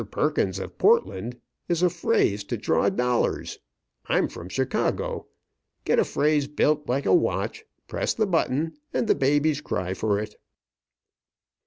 Perkins of Portland' is a phrase to draw dollars. I'm from Chicago. Get a phrase built like a watch, press the button, and the babies cry for it."